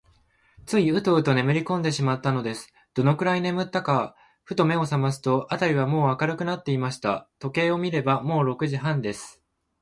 ついウトウトねむりこんでしまったのです。どのくらいねむったのか、ふと目をさますと、あたりはもう明るくなっていました。時計を見れば、もう六時半です。